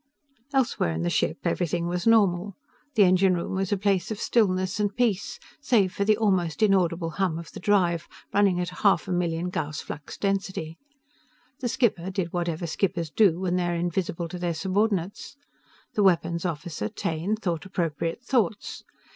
Elsewhere in the ship, everything was normal. The engine room was a place of stillness and peace, save for the almost inaudible hum of the drive, running at half a million Gauss flux density. The skipper did whatever skippers do when they are invisible to their subordinates. The weapons officer, Taine, thought appropriate thoughts.